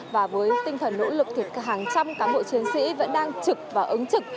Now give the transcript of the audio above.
và với tinh thần nỗ lực thì hàng trăm cán bộ chiến sĩ vẫn đang trực và ứng trực